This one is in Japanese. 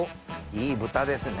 いい豚ですね。